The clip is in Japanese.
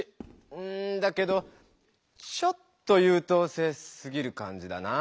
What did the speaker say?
うんだけどちょっとゆうとう生すぎるかんじだなぁ。